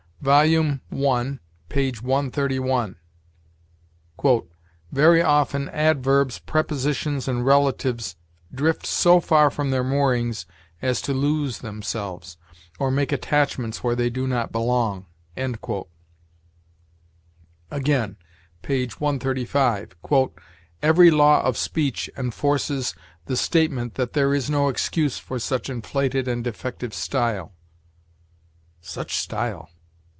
Vol. i, p. 131: "Very often adverbs, prepositions, and relatives drift so far from their moorings as to lose themselves, or make attachments where they do not belong." Again, p. 135: "Every law of speech enforces the statement that there is no excuse for such inflated and defective style. [Such style!